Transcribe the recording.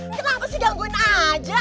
kenapa sih jangguin aja